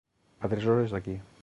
A tres hores d'aqu